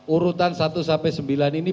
urutan satu sembilan ini